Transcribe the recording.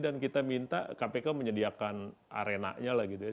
dan kita minta kpk menyediakan arenanya lah gitu ya